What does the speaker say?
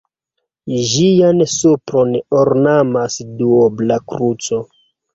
Ĝian supron ornamas duobla kruco.